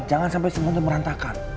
jangan sampai semuanya merantakan